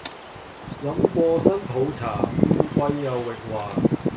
飲過新抱茶，富貴又榮華